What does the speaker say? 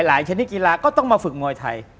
ชนิดกีฬาก็ต้องมาฝึกมวยไทย